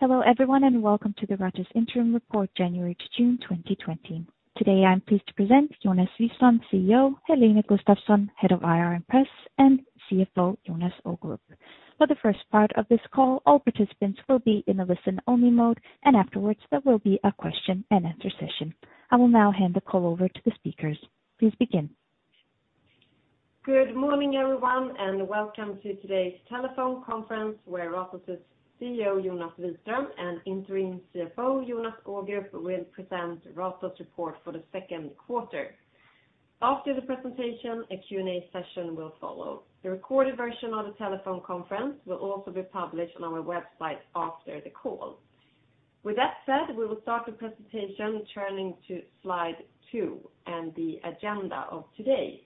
Hello everyone and welcome to the Ratos interim report, January to June 2020. Today I'm pleased to present Jonas Wiström, CEO, Helene Gustafsson, Head of IR and Press, and CFO Jonas Ågrup. For the first part of this call, all participants will be in a listen-only mode, and afterwards there will be a question-and-answer session. I will now hand the call over to the speakers. Please begin. Good morning everyone and welcome to today's telephone conference where Ratos' CEO Jonas Wiström and Interim CFO Jonas Ågrup will present Ratos' report for the second quarter. After the presentation, a Q&A session will follow. The recorded version of the telephone conference will also be published on our website after the call. With that said, we will start the presentation turning to slide two and the agenda of today.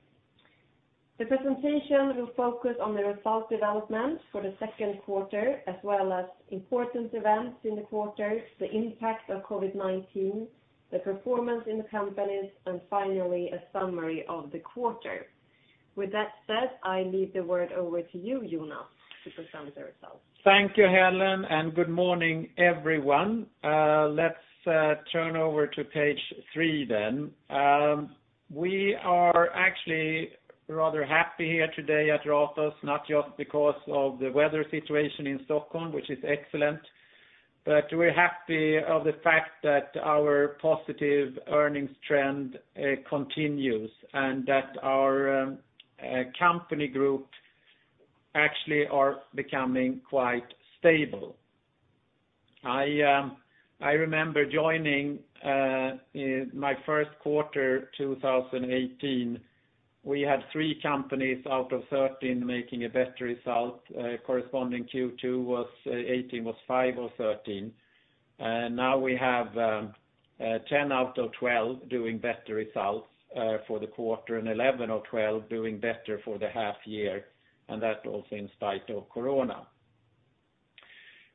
The presentation will focus on the result development for the second quarter, as well as important events in the quarter, the impact of COVID-19, the performance in the companies, and finally a summary of the quarter. With that said, I leave the word over to you, Jonas, to present the results. Thank you, Helene, and good morning everyone. Let's turn over to page three then. We are actually rather happy here today at Ratos, not just because of the weather situation in Stockholm, which is excellent, but we're happy of the fact that our positive earnings trend continues and that our company group actually is becoming quite stable. I remember joining my first quarter 2018, we had three companies out of 13 making a better result. Corresponding Q2 2018 was five of 13. Now we have 10 out of 12 doing better results for the quarter and 11 of 12 doing better for the half year, and that all since the start of Corona.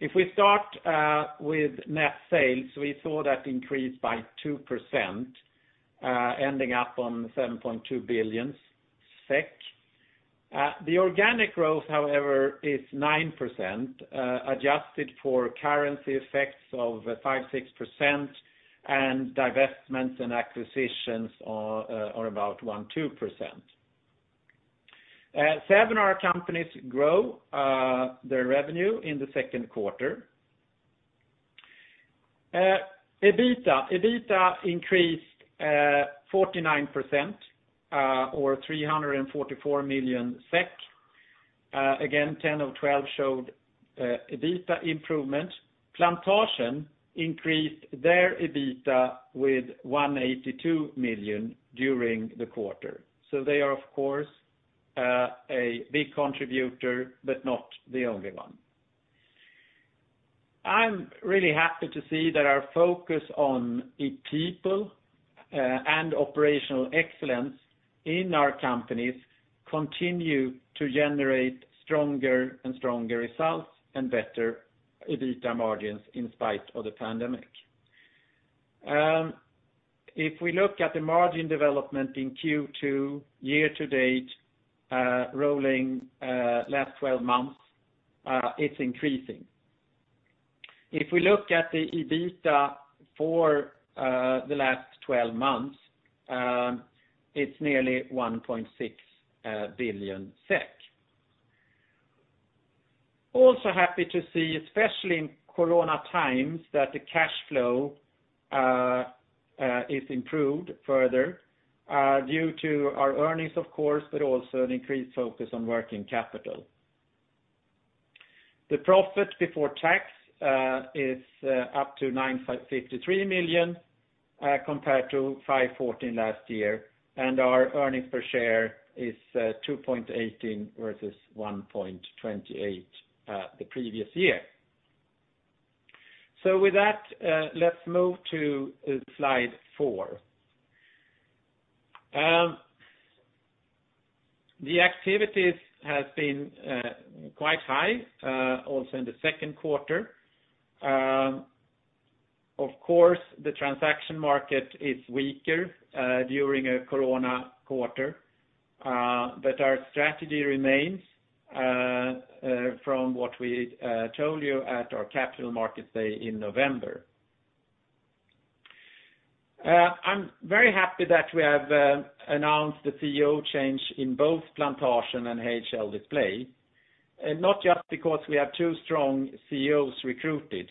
If we start with net sales, we saw that increase by 2%, ending up on 7.2 billion SEK. The organic growth, however, is 9%, adjusted for currency effects of 5%-6%, and divestments and acquisitions are about 1%-2%. Seven of our companies grew their revenue in the second quarter. EBITDA increased 49%, or 344 million SEK. Again, 10 of 12 showed EBITDA improvement. Plantasjen increased their EBITDA with 182 million during the quarter. So they are, of course, a big contributor but not the only one. I'm really happy to see that our focus on people and operational excellence in our companies continues to generate stronger and stronger results and better EBITDA margins in spite of the pandemic. If we look at the margin development in Q2 year-to-date, rolling last 12 months, it's increasing. If we look at the EBITDA for the last 12 months, it's nearly SEK 1.6 billion. Also happy to see, especially in Corona times, that the cash flow is improved further due to our earnings, of course, but also an increased focus on working capital. The profit before tax is up to 953 million compared to 514 million last year, and our earnings per share is 2.18 versus 1.28 the previous year. So with that, let's move to slide four. The activity has been quite high also in the second quarter. Of course, the transaction market is weaker during a Corona quarter, but our strategy remains from what we told you at our capital markets day in November. I'm very happy that we have announced the CEO change in both Plantasjen and HL Display, not just because we have two strong CEOs recruited.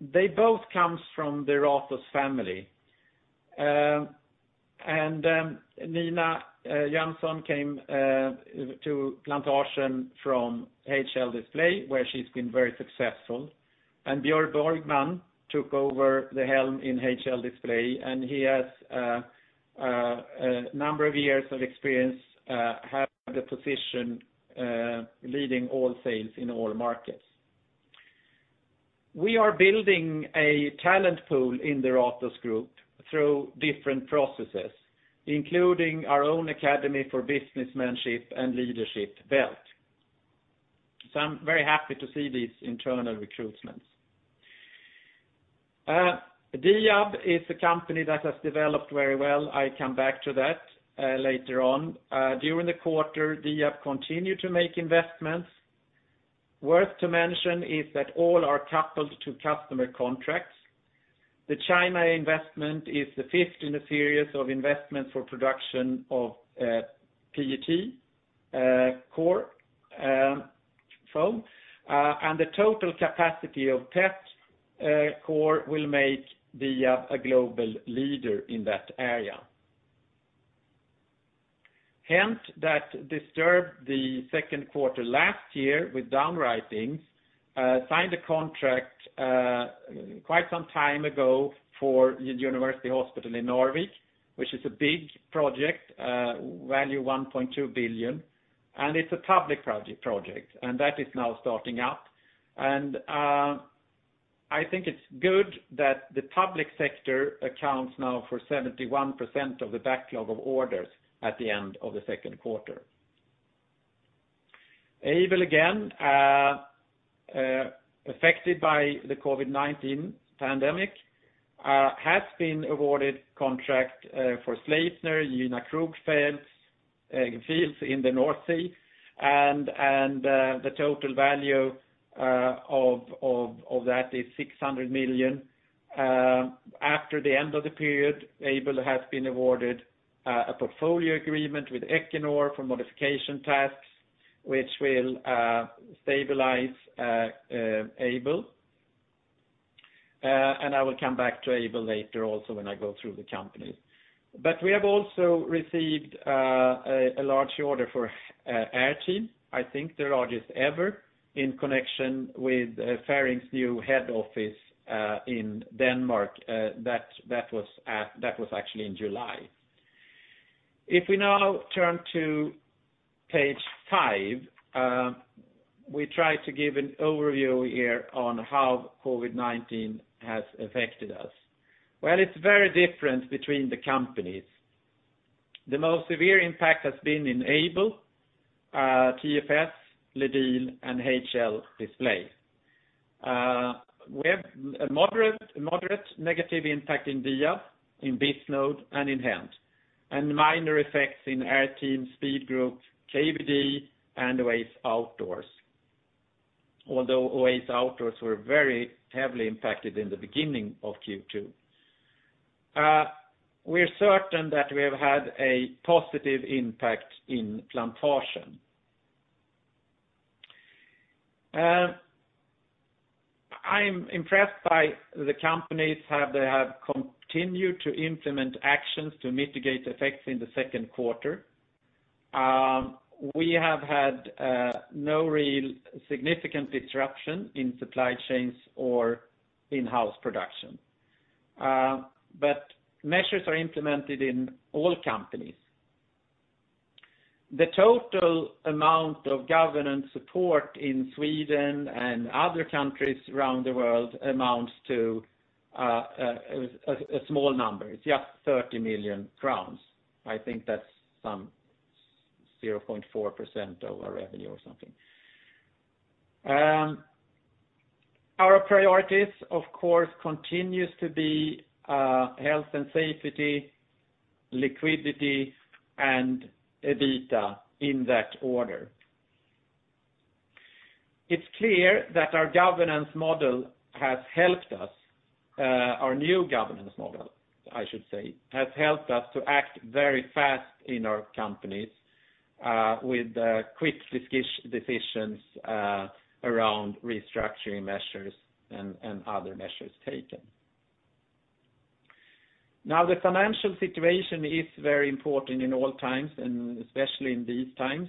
They both come from the Ratos family. Nina Jönsson came to Plantasjen from HL Display, where she's been very successful, and Björn Borgman took over the helm in HL Display, and he has a number of years of experience at the position leading all sales in all markets. We are building a talent pool in the Ratos group through different processes, including our own Academy for Businessmanship and Leadership, BELT. I'm very happy to see these internal recruitments. Diab is a company that has developed very well. I come back to that later on. During the quarter, Diab continued to make investments. Worth to mention is that all are coupled to customer contracts. The China investment is the fifth in the series of investments for production of PET core foam, and the total capacity of PET core will make Diab a global leader in that area. HENT, that disturbed the second quarter last year with downturns, signed a contract quite some time ago for University Hospital in Narvik, which is a big project, value 1.2 billion, and it's a public project, and that is now starting up. I think it's good that the public sector accounts now for 71% of the backlog of orders at the end of the second quarter. Aibel, again, affected by the COVID-19 pandemic, has been awarded a contract for Sleipner, Gina Krog fields in the North Sea, and the total value of that is 600 million. After the end of the period, Aibel has been awarded a portfolio agreement with Equinor for modification tasks, which will stabilize Aibel. I will come back to Aibel later also when I go through the companies. We have also received a large order for airteam, I think the largest ever, in connection with Ferring's new head office in Denmark. That was actually in July. If we now turn to page five, we try to give an overview here on how COVID-19 has affected us. It's very different between the companies. The most severe impact has been in Aibel, TFS, LEDiL, and HL Display. We have a moderate negative impact in Diab, in Bisnode, and in HENT, and minor effects in airteam, Speed Group, KVD, and Oase Outdoors, although Oase Outdoors were very heavily impacted in the beginning of Q2. We're certain that we have had a positive impact in Plantasjen. I'm impressed by the companies how they have continued to implement actions to mitigate effects in the second quarter. We have had no real significant disruption in supply chains or in-house production, but measures are implemented in all companies. The total amount of government support in Sweden and other countries around the world amounts to a small number, just CHF 30 million. I think that's some 0.4% of our revenue or something. Our priorities, of course, continue to be health and safety, liquidity, and EBITDA in that order. It's clear that our governance model has helped us, our new governance model, I should say, has helped us to act very fast in our companies with quick decisions around restructuring measures and other measures taken. Now, the financial situation is very important in all times, and especially in these times.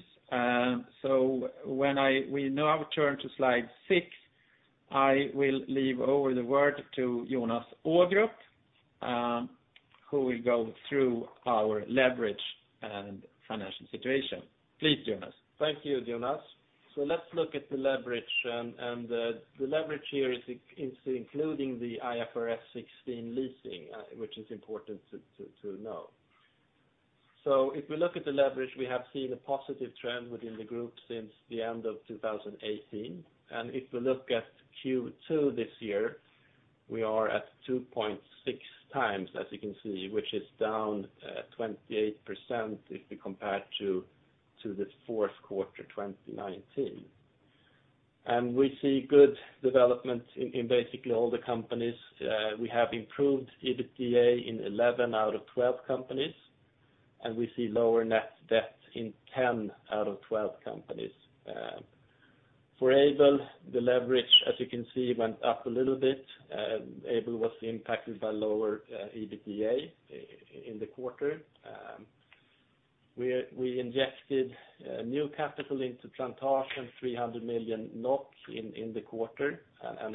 So when we now turn to slide six, I will hand over the word to Jonas Ågrup, who will go through our leverage and financial situation. Please, Jonas. Thank you, Jonas. So let's look at the leverage, and the leverage here is including the IFRS 16 leasing, which is important to know. So if we look at the leverage, we have seen a positive trend within the group since the end of 2018. And if we look at Q2 this year, we are at 2.6x, as you can see, which is down 28% if we compare to the fourth quarter 2019. And we see good development in basically all the companies. We have improved EBITDA in 11 out of 12 companies, and we see lower net debt in 10 out of 12 companies. For Aibel, the leverage, as you can see, went up a little bit. Aibel was impacted by lower EBITDA in the quarter. We injected new capital into Plantasjen, 300 million in the quarter, and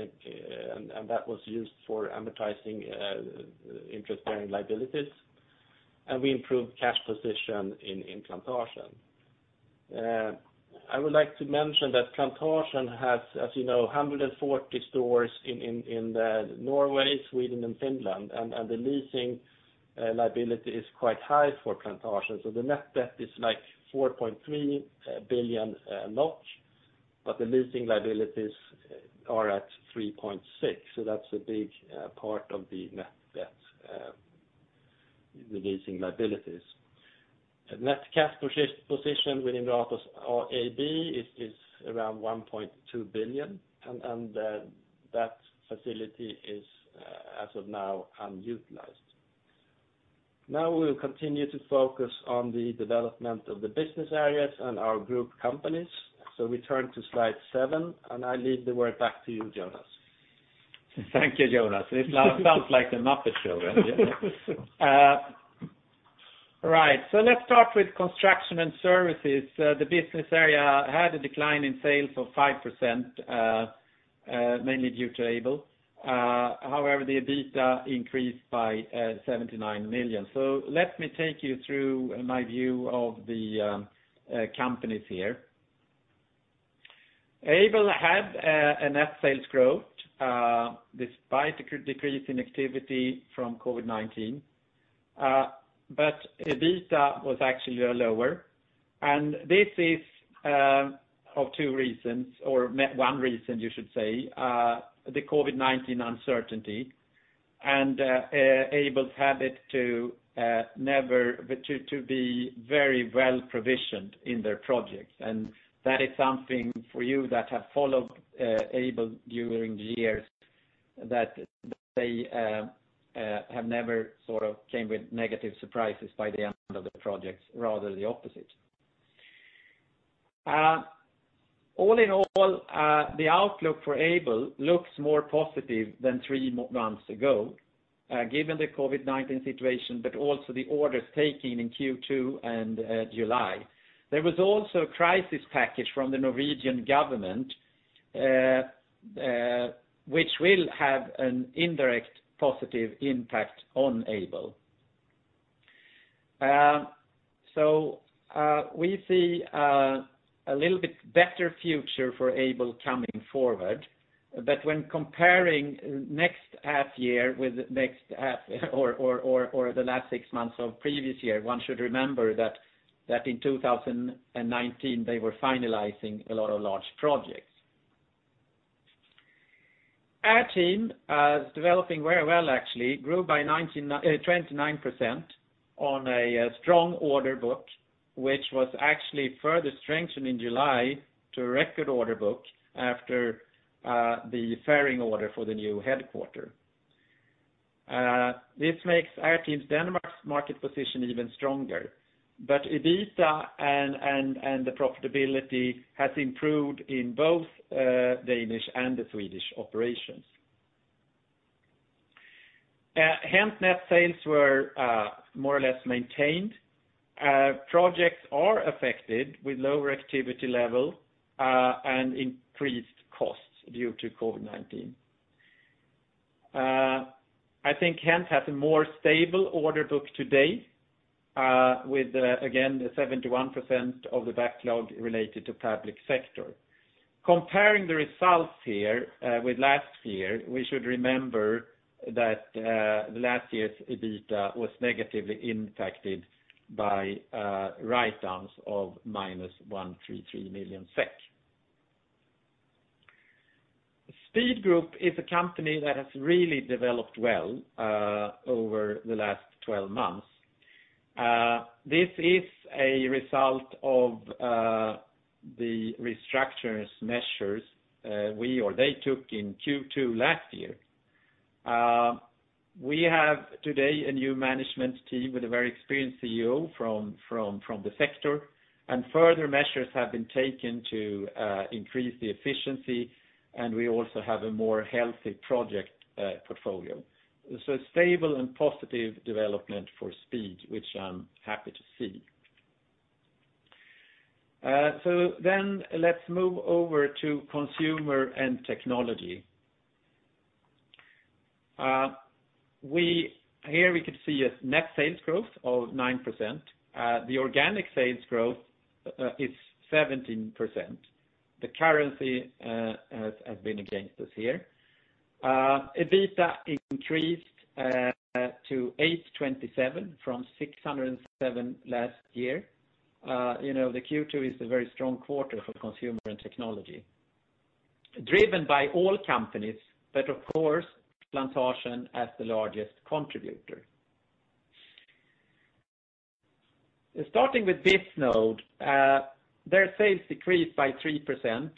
that was used for amortizing interest-bearing liabilities. We improved cash position in Plantasjen. I would like to mention that Plantasjen has, as you know, 140 stores in Norway, Sweden, and Finland, and the leasing liability is quite high for Plantasjen. The net debt is like 4.3 billion NOK, but the leasing liabilities are at 3.6 billion. That's a big part of the net debt, the leasing liabilities. Net cash position within Ratos AB is around 1.2 billion, and that facility is, as of now, unutilized. Now we will continue to focus on the development of the business areas and our group companies. We turn to slide seven, and I hand the word back to you, Jonas. Thank you, Jonas. This now sounds like the Muppets show. Right. So let's start with construction and services. The business area had a decline in sales of 5%, mainly due to Aibel. However, the EBITDA increased by 79 million. So let me take you through my view of the companies here. Aibel had a net sales growth despite the decrease in activity from COVID-19, but EBITDA was actually lower. And this is of two reasons, or one reason, you should say, the COVID-19 uncertainty and Aibel's habit to be very well provisioned in their projects. And that is something for you that have followed Aibel during the years that they have never sort of come with negative surprises by the end of the projects, rather the opposite. All in all, the outlook for Aibel looks more positive than three months ago, given the COVID-19 situation, but also the orders taken in Q2 and July. There was also a crisis package from the Norwegian government, which will have an indirect positive impact on Aibel. So we see a little bit better future for Aibel coming forward, but when comparing next half year with the next half or the last six months of previous year, one should remember that in 2019, they were finalizing a lot of large projects. airteam, developing very well, actually, grew by 29% on a strong order book, which was actually further strengthened in July to a record order book after the Ferring order for the new headquarters. This makes airteam's Denmark market position even stronger, but EBITDA and the profitability have improved in both Danish and the Swedish operations. HENT net sales were more or less maintained. Projects are affected with lower activity level and increased costs due to COVID-19. I think HENT has a more stable order book today, with, again, 71% of the backlog related to public sector. Comparing the results here with last year, we should remember that last year's EBITDA was negatively impacted by write-downs of -SEK 133 million. Speed Group is a company that has really developed well over the last 12 months. This is a result of the restructuring measures we or they took in Q2 last year. We have today a new management team with a very experienced CEO from the sector, and further measures have been taken to increase the efficiency, and we also have a more healthy project portfolio. So stable and positive development for Speed Group, which I'm happy to see. So then let's move over to consumer and technology. Here we could see a net sales growth of 9%. The organic sales growth is 17%. The currency has been against us here. EBITDA increased to 827 from 607 last year. The Q2 is a very strong quarter for consumer and technology, driven by all companies, but of course, Plantasjen as the largest contributor. Starting with Bisnode, their sales decreased by 3%,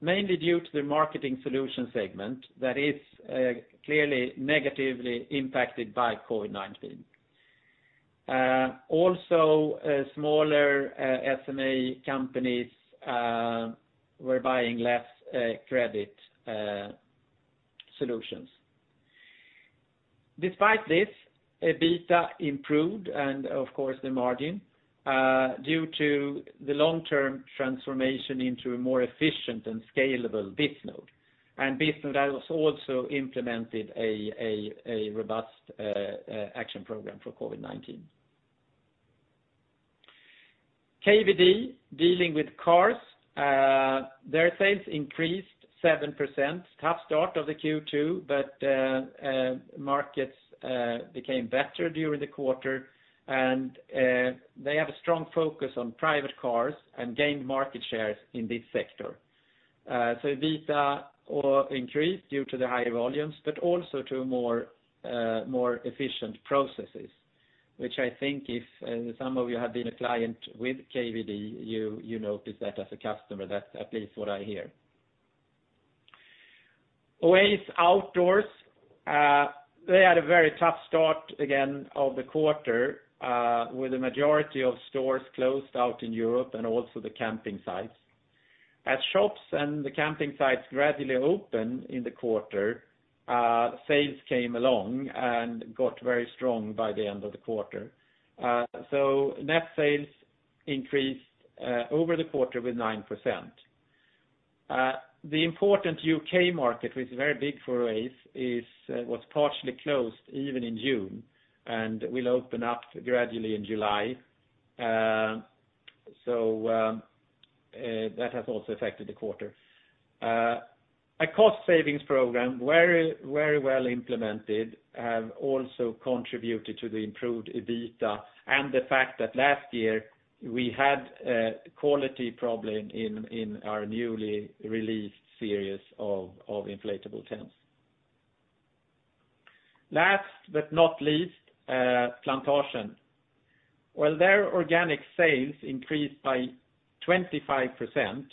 mainly due to their marketing solution segment that is clearly negatively impacted by COVID-19. Also, smaller SME companies were buying less credit solutions. Despite this, EBITDA improved, and of course, the margin, due to the long-term transformation into a more efficient and scalable Bisnode, and Bisnode has also implemented a robust action program for COVID-19. KVD, dealing with cars, their sales increased 7%, tough start of the Q2, but markets became better during the quarter, and they have a strong focus on private cars and gained market shares in this sector. So EBITDA increased due to the high volumes, but also to more efficient processes, which I think if some of you have been a client with KVD, you notice that as a customer, that's at least what I hear. Oase Outdoors, they had a very tough start again of the quarter with a majority of stores closed out in Europe and also the camping sites. As shops and the camping sites gradually opened in the quarter, sales came along and got very strong by the end of the quarter. So net sales increased over the quarter with 9%. The important U.K. market, which is very big for Oase Outdoors, was partially closed even in June and will open up gradually in July. So that has also affected the quarter. A cost savings program, very well implemented, has also contributed to the improved EBITDA and the fact that last year we had quality problems in our newly released series of inflatable tents. Last but not least, Plantasjen. Well, their organic sales increased by 25%,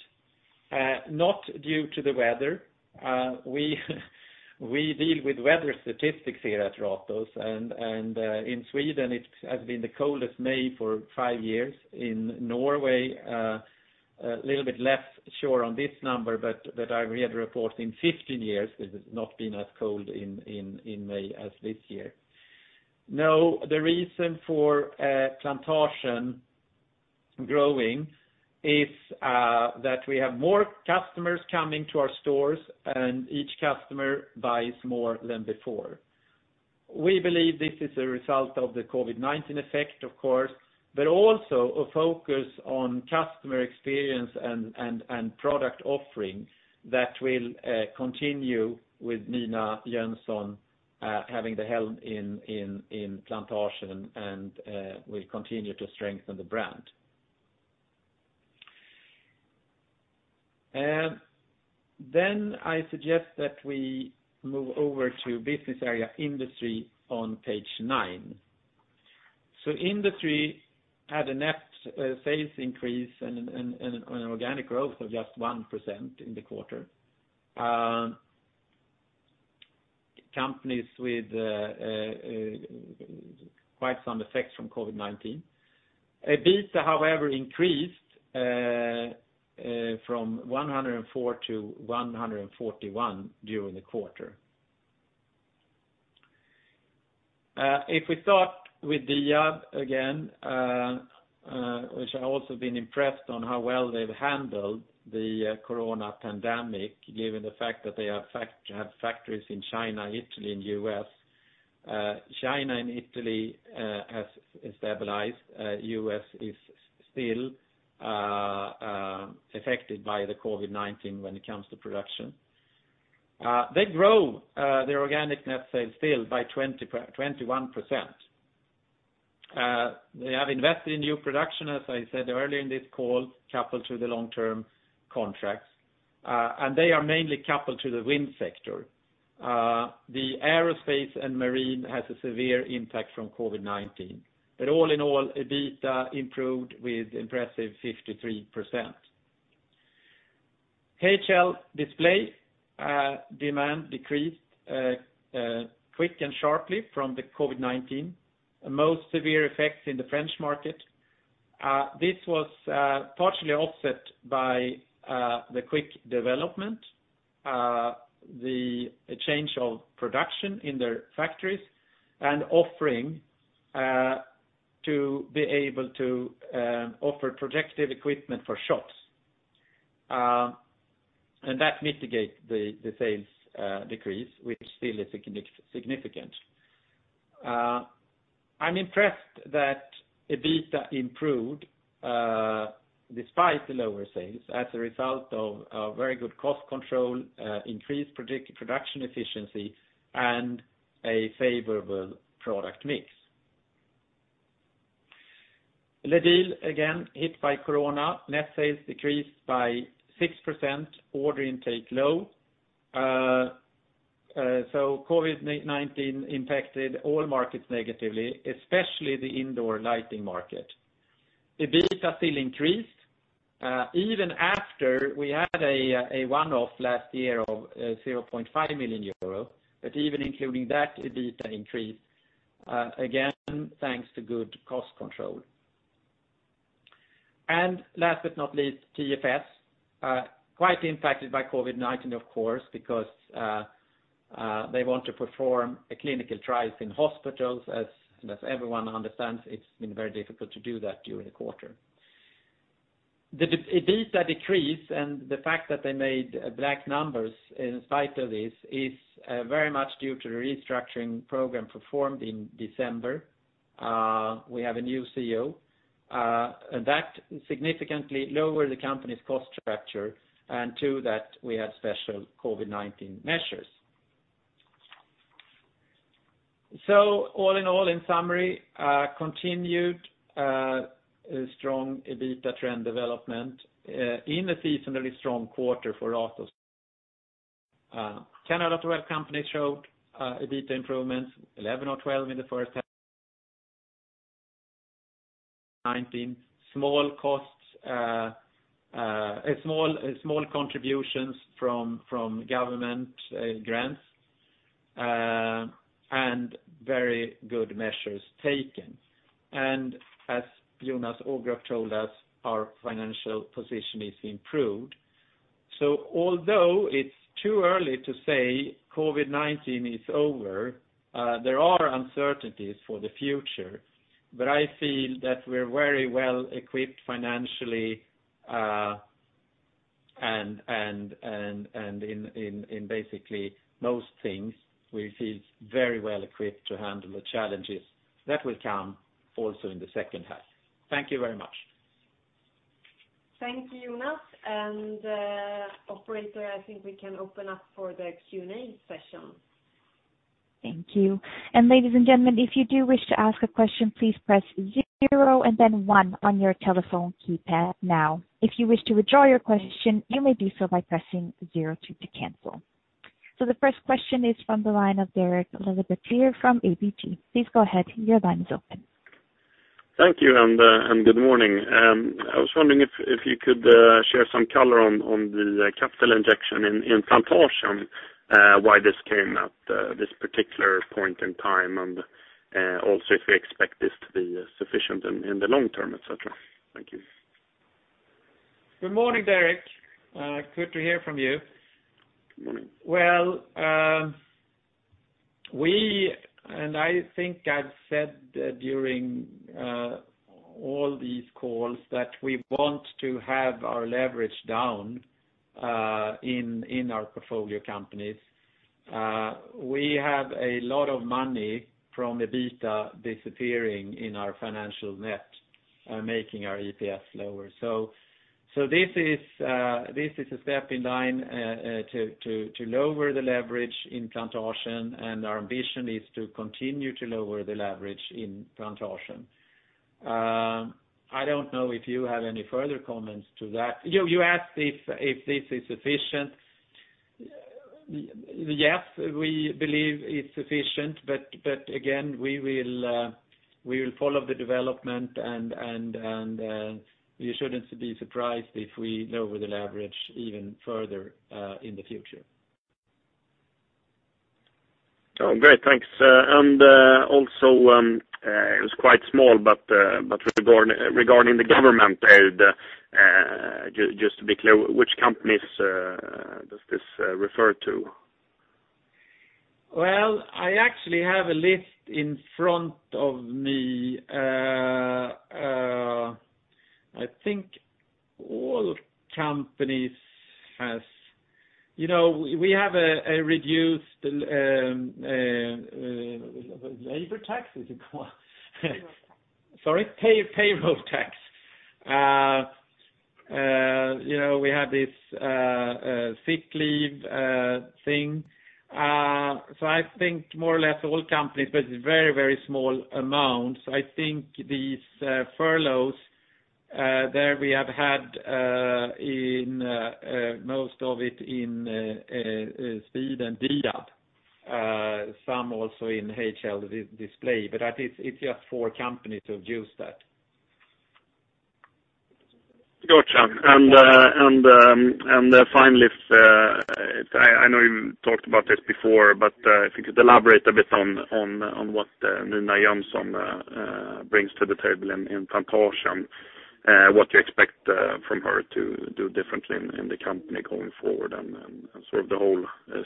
not due to the weather. We deal with weather statistics here at Ratos, and in Sweden, it has been the coldest May for five years. In Norway, a little bit less sure on this number, but I read a report in 15 years that it has not been as cold in May as this year. Now, the reason for Plantasjen growing is that we have more customers coming to our stores, and each customer buys more than before. We believe this is a result of the COVID-19 effect, of course, but also a focus on customer experience and product offering that will continue with Nina Jönsson having the helm in Plantasjen and will continue to strengthen the brand. Then I suggest that we move over to business area industry on page nine. So industry had a net sales increase and an organic growth of just 1% in the quarter, companies with quite some effects from COVID-19. EBITDA, however, increased from 104 to 141 during the quarter. If we start with Diab again, which I've also been impressed on how well they've handled the corona pandemic, given the fact that they have factories in China, Italy, and the U.S., China and Italy have stabilized. The U.S. is still affected by the COVID-19 when it comes to production. They grow their organic net sales still by 21%. They have invested in new production, as I said earlier in this call, coupled to the long-term contracts, and they are mainly coupled to the wind sector. The aerospace and marine has a severe impact from COVID-19, but all in all, EBITDA improved with impressive 53%. HL Display demand decreased quickly and sharply from the COVID-19, most severe effects in the French market. This was partially offset by the quick development, the change of production in their factories, and offering to be able to offer protective equipment for shops, and that mitigated the sales decrease, which still is significant. I'm impressed that EBITDA improved despite the lower sales as a result of very good cost control, increased production efficiency, and a favorable product mix. LEDiL, again, hit by corona. Net sales decreased by 6%. Order intake low. So COVID-19 impacted all markets negatively, especially the indoor lighting market. EBITDA still increased. Even after we had a one-off last year of 0.5 million euro, but even including that, EBITDA increased again thanks to good cost control. And last but not least, TFS, quite impacted by COVID-19, of course, because they want to perform clinical trials in hospitals. As everyone understands, it's been very difficult to do that during the quarter. The EBITDA decrease and the fact that they made black numbers in spite of this is very much due to the restructuring program performed in December. We have a new CEO, and that significantly lowered the company's cost structure and to that we had special COVID-19 measures. So all in all, in summary, continued strong EBITDA trend development in a seasonally strong quarter for Ratos. Aibel showed EBITDA improvements, 11 or 12 in the first half, 19, small contributions from government grants, and very good measures taken, and as Jonas Ågrup told us, our financial position is improved. Although it's too early to say COVID-19 is over, there are uncertainties for the future, but I feel that we're very well equipped financially and in basically most things. We feel very well equipped to handle the challenges that will come also in the second half. Thank you very much. Thank you, Jonas. And operator, I think we can open up for the Q&A session. Thank you, and ladies and gentlemen, if you do wish to ask a question, please press zero and then one on your telephone keypad now. If you wish to withdraw your question, you may do so by pressing zero to cancel, so the first question is from the line of Derek Laliberté from ABG Sundal Collier. Please go ahead. Your line is open. Thank you and good morning. I was wondering if you could share some color on the capital injection in Plantasjen, why this came at this particular point in time, and also if we expect this to be sufficient in the long term, etc. Thank you. Good morning, Derek. Good to hear from you. Good morning. Well, and I think I've said during all these calls that we want to have our leverage down in our portfolio companies. We have a lot of money from EBITDA disappearing in our financial net, making our EPS lower. So this is a step in line to lower the leverage in Plantasjen, and our ambition is to continue to lower the leverage in Plantasjen. I don't know if you have any further comments to that. You asked if this is sufficient. Yes, we believe it's sufficient, but again, we will follow the development, and you shouldn't be surprised if we lower the leverage even further in the future. Sounds great. Thanks. And also, it was quite small, but regarding the government aid, just to be clear, which companies does this refer to? I actually have a list in front of me. I think all companies have, we have a reduced labor tax, is it called? Payroll tax. Sorry, payroll tax. We have this sick leave thing. So I think more or less all companies, but it's a very, very small amount. So I think these furloughs, there we have had most of it in Sweden and Diab, some also in HL Display, but it's just four companies who have used that. Gotcha. And finally, I know you talked about this before, but if you could elaborate a bit on what Nina Jönsson brings to the table in Plantasjen, what you expect from her to do differently in the company going forward and sort of the whole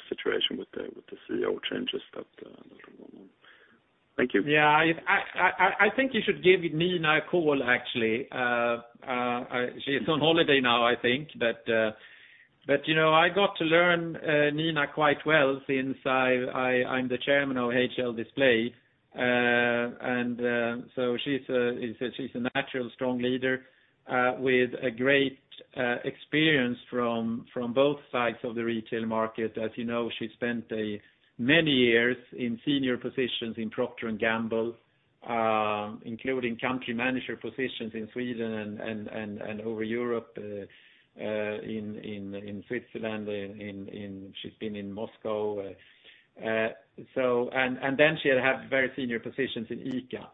situation with the CEO changes that are going on? Thank you. Yeah. I think you should give Nina a call, actually. She's on holiday now, I think, but I got to learn Nina quite well since I'm the chairman of HL Display. And so she's a natural, strong leader with a great experience from both sides of the retail market. As you know, she spent many years in senior positions in Procter & Gamble, including country manager positions in Sweden and over Europe in Switzerland. She's been in Moscow. And then she had had very senior positions in ICA.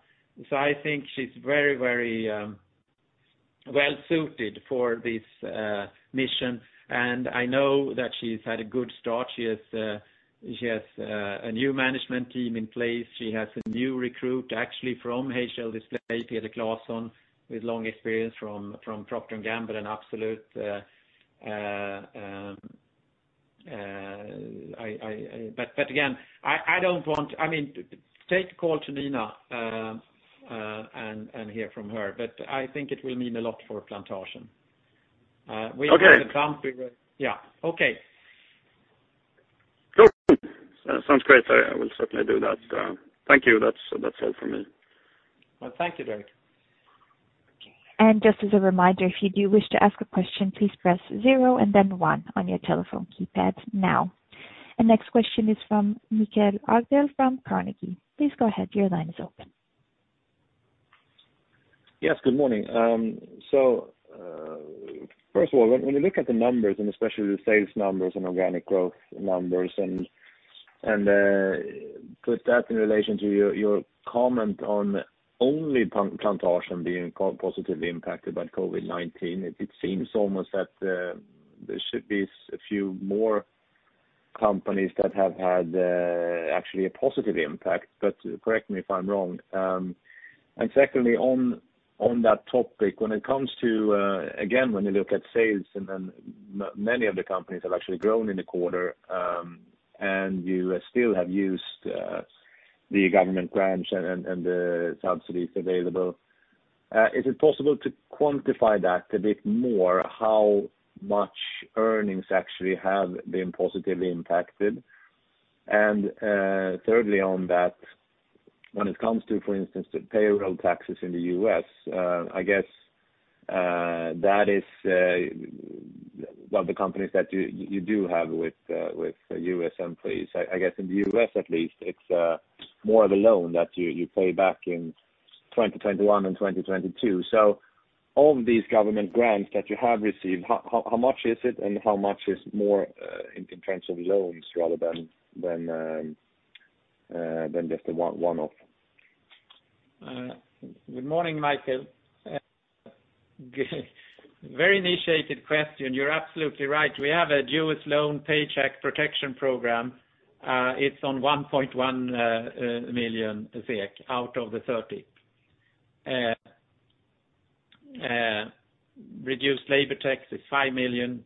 So I think she's very, very well suited for this mission. And I know that she's had a good start. She has a new management team in place. She has a new recruit, actually, from HL Display, Peder Clason, with long experience from Procter & Gamble and Absolut. But again, I don't want, I mean, take a call to Nina and hear from her, but I think it will mean a lot for Plantasjen. Okay. Yeah. Okay. Sounds great. I will certainly do that. Thank you. That's all from me. Thank you, Derek. Just as a reminder, if you do wish to ask a question, please press zero and then one on your telephone keypad now. Next question is from Mikael Laséen from Carnegie. Please go ahead. Your line is open. Yes, good morning. So first of all, when you look at the numbers, and especially the sales numbers and organic growth numbers, and put that in relation to your comment on only Plantasjen being positively impacted by COVID-19, it seems almost that there should be a few more companies that have had actually a positive impact, but correct me if I'm wrong. And secondly, on that topic, when it comes to, again, when you look at sales, and many of the companies have actually grown in the quarter, and you still have used the government grants and the subsidies available, is it possible to quantify that a bit more, how much earnings actually have been positively impacted? And thirdly, on that, when it comes to, for instance, the payroll taxes in the U.S., I guess that is one of the companies that you do have with U.S. employees. I guess in the U.S., at least, it's more of a loan that you pay back in 2021 and 2022. So all of these government grants that you have received, how much is it, and how much is more in terms of loans rather than just a one-off? Good morning, Mikael. Very interesting question. You're absolutely right. We have a dual-loan Paycheck Protection Program. It's 1.1 million out of the 30 million. Reduced labor tax is 5 million.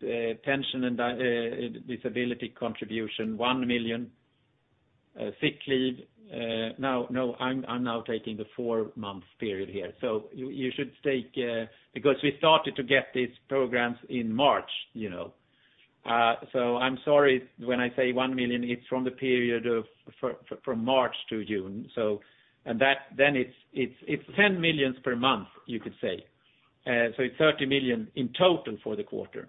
Pension and disability contribution 1 million. Sick leave. No, I'm now taking the four-month period here. So you should take because we started to get these programs in March. So I'm sorry when I say 1 million, it's from the period from March to June. And then it's 10 million per month, you could say. So it's 30 million in total for the quarter.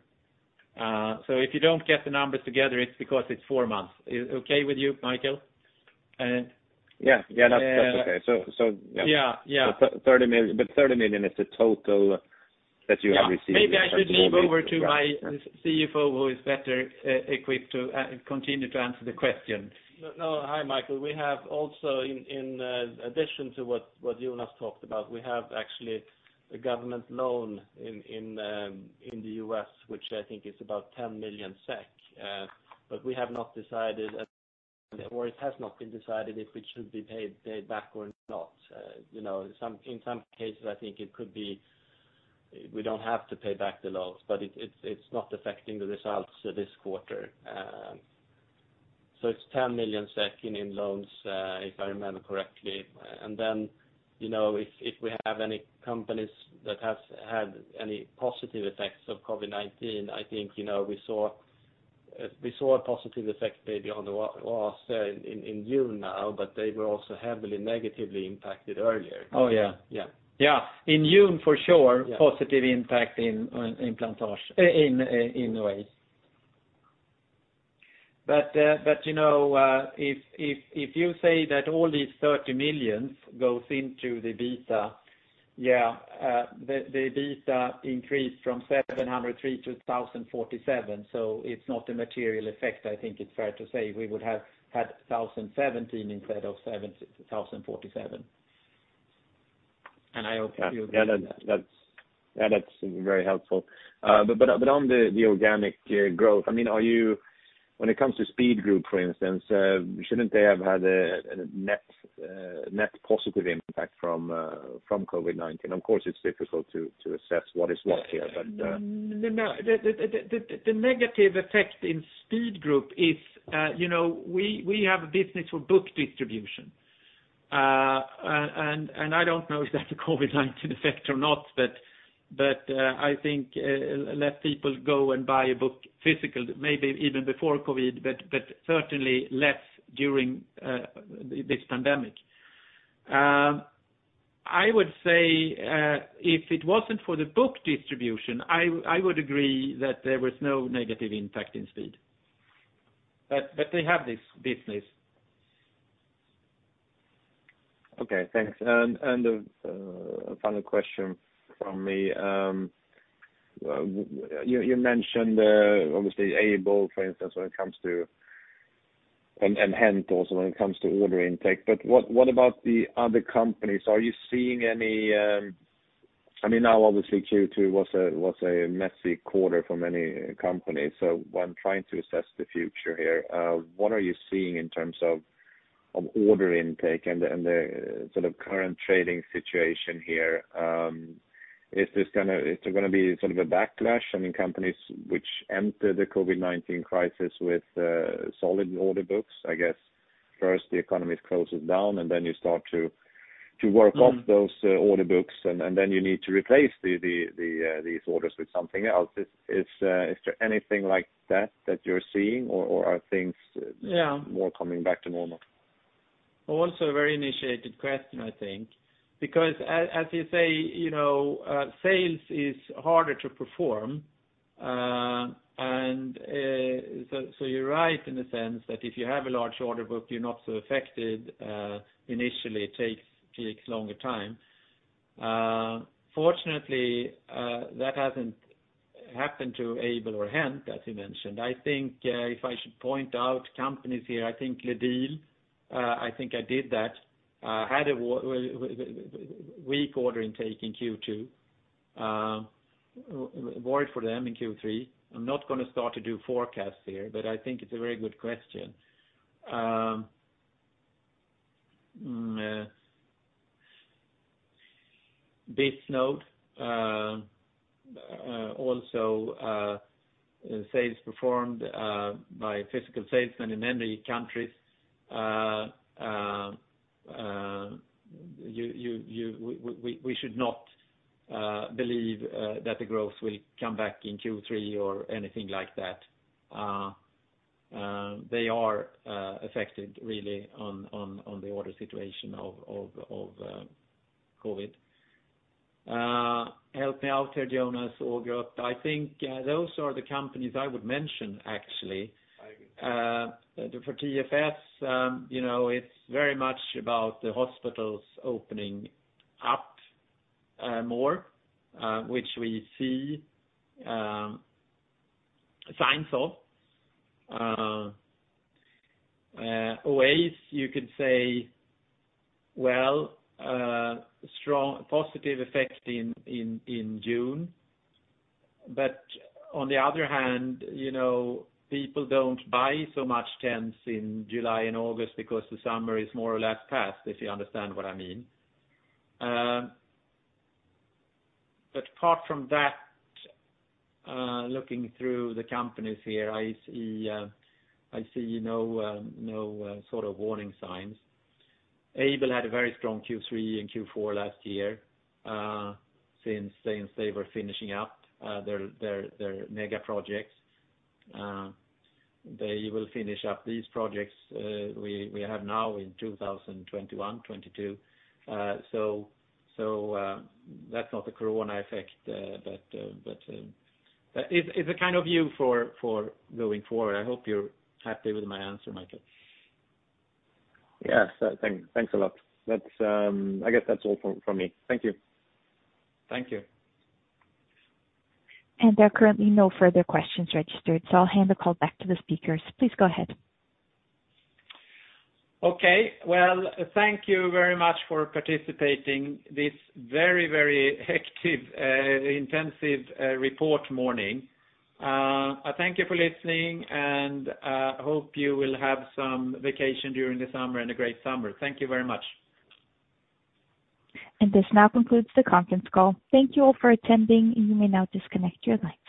So if you don't get the numbers together, it's because it's four months. Okay with you, Mikael? That's okay. But 30 million is the total that you have received. Maybe I should hand over to my CFO, who is better equipped to continue to answer the question. No, hi, Mikael. We have also, in addition to what Jonas talked about, we have actually a government loan in the U.S., which I think is about 10 million SEK. But we have not decided, or it has not been decided, if it should be paid back or not. In some cases, I think it could be we don't have to pay back the loans, but it's not affecting the results this quarter, so it's 10 million SEK in loans, if I remember correctly, and then if we have any companies that have had any positive effects of COVID-19, I think we saw a positive effect maybe on the Oase Outdoors in June now, but they were also heavily negatively impacted earlier. Oh, yeah. Yeah. In June, for sure, positive impact in Plantasjen in a way. But if you say that all these 30 million goes into the EBITDA, yeah, the EBITDA increased from 703 to 1,047. So it's not a material effect. I think it's fair to say we would have had 1,017 instead of 1,047. And I hope you agree. Yeah, that's very helpful. But on the organic growth, I mean, when it comes to Speed Group, for instance, shouldn't they have had a net positive impact from COVID-19? Of course, it's difficult to assess what is what here, but. No, no. The negative effect in Speed Group is we have a business for book distribution, and I don't know if that's a COVID-19 effect or not, but I think less people go and buy a book physical, maybe even before COVID, but certainly less during this pandemic. I would say if it wasn't for the book distribution, I would agree that there was no negative impact in Speed Group, but they have this business. Okay. Thanks. And a final question from me. You mentioned obviously Aibel, for instance, when it comes to, and HENT also when it comes to order intake. But what about the other companies? Are you seeing any—I mean, now obviously Q2 was a messy quarter for many companies. So when trying to assess the future here, what are you seeing in terms of order intake and the sort of current trading situation here? Is there going to be sort of a backlash? I mean, companies which enter the COVID-19 crisis with solid order books, I guess, first the economy closes down, and then you start to work off those order books, and then you need to replace these orders with something else. Is there anything like that that you're seeing, or are things more coming back to normal? Also a very insightful question, I think. Because as you say, sales is harder to perform. And so you're right in the sense that if you have a large order book, you're not so affected. Initially, it takes longer time. Fortunately, that hasn't happened to Aibel or HENT, as you mentioned. I think if I should point out companies here, I think LEDiL, I think I did that, had a weak order intake in Q2. Worried for them in Q3. I'm not going to start to do forecasts here, but I think it's a very good question. Bisnode, also sales performed by physical salesmen in many countries. We should not believe that the growth will come back in Q3 or anything like that. They are affected, really, on the order situation of COVID. Help me out here, Jonas Ågrup. I think those are the companies I would mention, actually. For TFS, it's very much about the hospitals opening up more, which we see signs of. Oase Outdoors, you could say, well, positive effect in June. But on the other hand, people don't buy so much tents in July and August because the summer is more or less past, if you understand what I mean. But apart from that, looking through the companies here, I see no sort of warning signs. Aibel had a very strong Q3 and Q4 last year since they were finishing up their mega projects. They will finish up these projects we have now in 2021, 2022. So that's not the corona effect, but it's a kind of view for going forward. I hope you're happy with my answer, Mikael. Yes. Thanks a lot. I guess that's all from me. Thank you. Thank you. And there are currently no further questions registered, so I'll hand the call back to the speakers. Please go ahead. Thank you very much for participating this very, very active, intensive report morning. I thank you for listening, and I hope you will have some vacation during the summer and a great summer. Thank you very much. This now concludes the conference call. Thank you all for attending. You may now disconnect your lines.